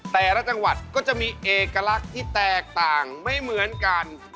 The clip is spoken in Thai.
แต่ละจังหวัดก็จะมีเอกลักษณ์ที่แตกต่างไม่เหมือนกัน